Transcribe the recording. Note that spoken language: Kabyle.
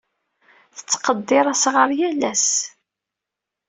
Tettqeddir asɣar yal ass.